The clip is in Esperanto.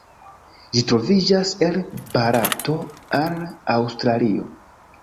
Ĝi troviĝas el Barato al Aŭstralio.